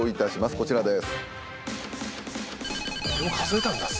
こちらです。